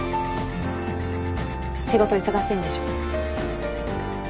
仕事忙しいんでしょ。